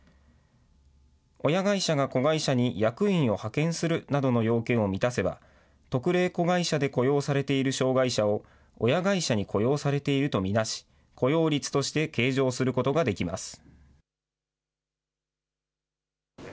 親会社が子会社に役員を派遣するなどの要件を満たせば、特例子会社で雇用されている障害者を、親会社に雇用されていると見なし、雇用率として計上することができます。